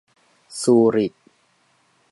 ซูริค